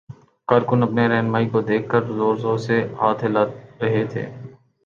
کارکن اپنے راہنما کو دیکھ کر زور زور سے ہاتھ ہلا رہے تھے